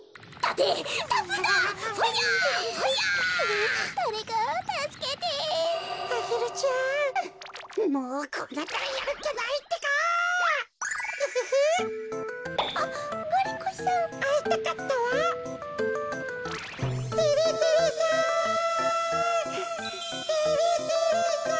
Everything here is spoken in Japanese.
てれてれさん！